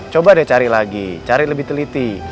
coba deh cari lagi cari lebih teliti